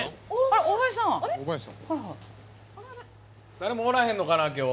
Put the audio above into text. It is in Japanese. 誰もおらへんのかな今日。